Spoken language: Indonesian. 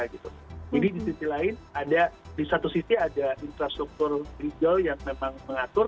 jadi di satu sisi ada infrastruktur legal yang memang mengatur